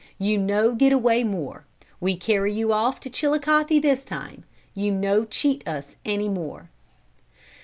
You no get away more. We carry you off to Chilicothe this time. You no cheat us anymore.'